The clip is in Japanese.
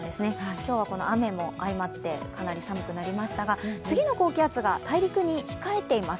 今日は雨も相まってかなり寒くなりましたが、次の高気圧が大陸に控えています。